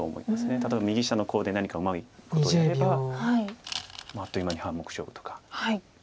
例えば右下のコウで何かうまいことやればあっという間に半目勝負とか。